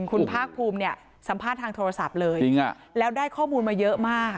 คุณภาคภูมิเนี่ยสัมภาษณ์ทางโทรศัพท์เลยจริงแล้วได้ข้อมูลมาเยอะมาก